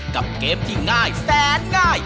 กับเกมที่ง่ายแสนง่าย